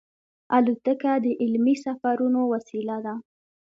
الوتکه د علمي سفرونو وسیله ده.